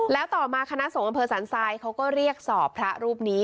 แล้วต่อมาคณะสงบสรรค์ซานซายเขาก็เรียกสอบพระรูปนี้